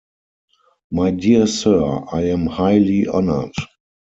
My dear Sir, I am highly honoured.